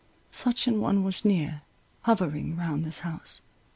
Such an one was near, hovering round this house.